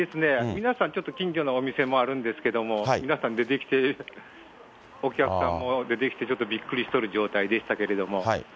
皆さんちょっと近所のお店もあるんですけど、皆さん出てきて、お客さんも出てきて、ちょっとびっくりしている状態でしたけども。